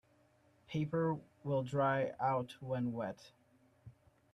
Paper will dry out when wet.